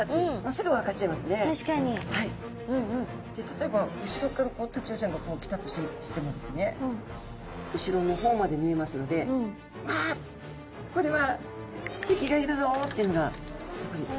例えば後ろからタチウオちゃんがこう来たとしてもですね後ろの方まで見えますので「わこれは敵がいるぞ！」っていうのがやっぱり分かっちゃうわけですね。